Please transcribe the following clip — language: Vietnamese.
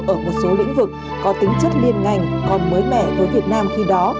ở một số lĩnh vực có tính chất liên ngành còn mới mẻ với việt nam khi đó